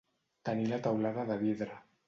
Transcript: Tenir la teulada de vidre.